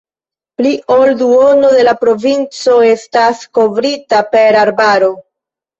Pli ol duono de la provinco estas kovrita per arbaro.